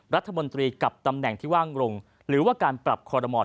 รัฐมนตรีกับตำแหน่งที่ว่างลงหรือว่าการปรับคอรมอล